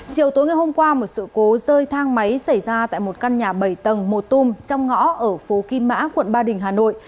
chiều tối ngày hôm qua một sự cố rơi thang máy xảy ra tại một căn nhà bảy tầng một tùm trong ngõ ở phố kim mã quận ba đình hà nội